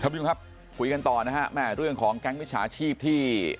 ผู้ชมครับคุยกันต่อนะฮะแม่เรื่องของแก๊งมิจฉาชีพที่